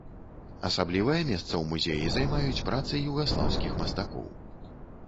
Асаблівае месца ў музеі займаюць працы югаслаўскіх мастакоў.